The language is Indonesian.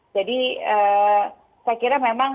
jadi saya kira memang